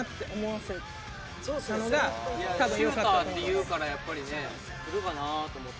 シューターっていうからやっぱりねくるかなと思った。